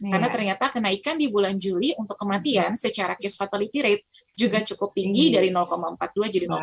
karena ternyata kenaikan di bulan juli untuk kematian secara cfr juga cukup tinggi dari empat puluh dua jadi lima puluh sembilan